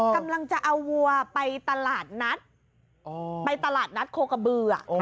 กำลังจะเอาวัวไปตลาดนัดโคกะเบือ